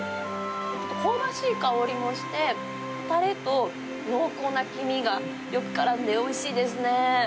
ちょっと香ばしい香りもして、たれと濃厚な黄身がよくからんでおいしいですね。